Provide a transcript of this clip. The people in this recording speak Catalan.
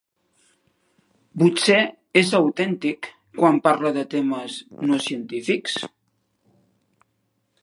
Potser és autèntic quan parla de temes no científics?